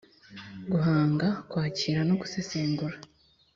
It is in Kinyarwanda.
guhanga kwakira no gusesengura